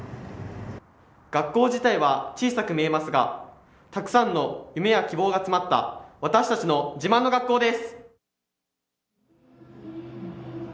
学校自体は小さく見えますがたくさんの夢や希望が詰まった私たちの自慢の学校です。